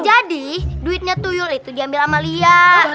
jadi duitnya tuyul itu diambil ama liat